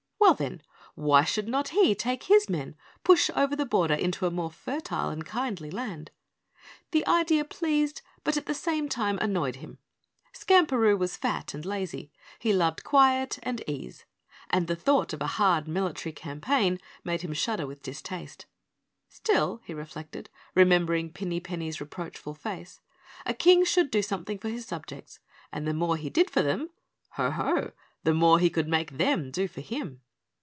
Well, then, why should not he take his men, push over the border into a more fertile and kindly land? The idea pleased but at the same time annoyed him. Skamperoo was fat and lazy. He loved quiet and ease and the thought of a hard military campaign made him shudder with distaste. Still, he reflected, remembering Pinny Penny's reproachful face, a King should do something for his subjects and the more he did for them Ho, ho! the more he could make them do for him.